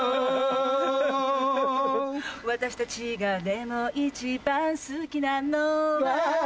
私たちがでも一番好きなのは